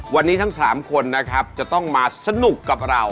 วันนี้ทั้ง๓คนนะครับจะต้องมาสนุกกับเรา